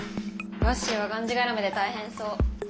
ワッシーはがんじがらめで大変そう。